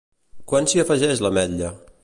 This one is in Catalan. Quan s'hi afegeix l'ametlla?